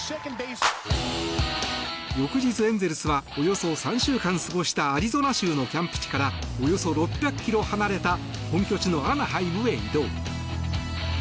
翌日、エンゼルスはおよそ３週間過ごしたアリゾナ州のキャンプ地からおよそ６００ｋｍ離れた本拠地のアナハイムへ移動。